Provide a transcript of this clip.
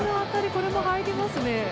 これも入りますね。